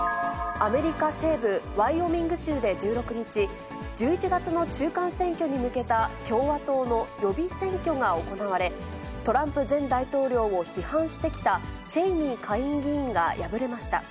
アメリカ西部ワイオミング州で１６日、１１月の中間選挙に向けた共和党の予備選挙が行われ、トランプ前大統領を批判してきたチェイニー下院議員が敗れました。